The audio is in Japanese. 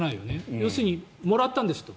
要するにもらったんですと。